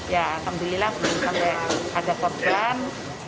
ya alhamdulillah ada korban